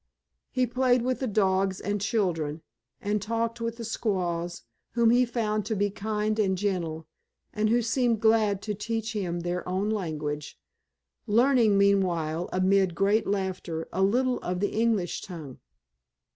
He played with the dogs and children, and talked with the squaws, whom he found to be kind and gentle, and who seemed glad to teach him their own language, learning, meanwhile, amid great laughter, a little of the English tongue.